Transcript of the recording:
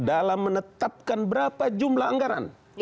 dalam menetapkan berapa jumlah anggaran